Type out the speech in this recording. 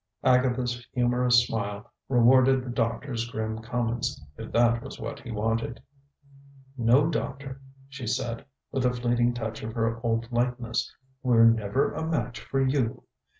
Agatha's humorous smile rewarded the doctor's grim comments, if that was what he wanted. "No, Doctor," she said, with a fleeting touch of her old lightness, "we're never a match for you.